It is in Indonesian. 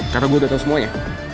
karena gue udah tau semuanya